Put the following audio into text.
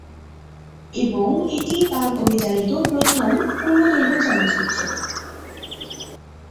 এবং এটিই তার পরিচালিত প্রথম পূর্ণদৈর্ঘ্য চলচ্চিত্র।